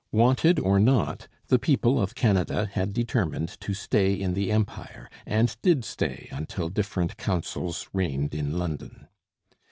' Wanted or not, the people of Canada had determined to stay in the Empire; and did stay until different counsels reigned in London.